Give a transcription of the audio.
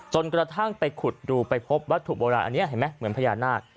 จนกระทั่งไปขุดดูไปพบวัตถุโบราณอันนี้เห็นไหมเหมือนพญานาค